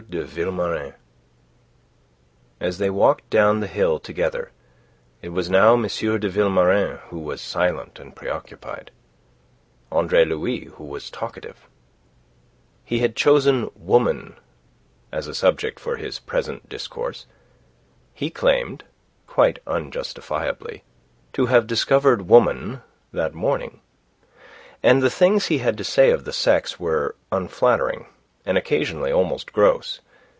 DE VILMORIN As they walked down the hill together, it was now M. de Vilmorin who was silent and preoccupied, Andre Louis who was talkative. He had chosen Woman as a subject for his present discourse. He claimed quite unjustifiably to have discovered Woman that morning; and the things he had to say of the sex were unflattering, and occasionally almost gross.